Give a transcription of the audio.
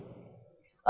và nhiệt giảm đi đáng kể